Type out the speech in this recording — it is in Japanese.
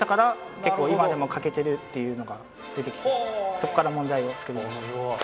そっから問題を作りました。